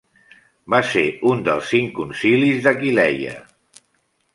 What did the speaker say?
Va ser un dels cinc concilis d'Aquileia.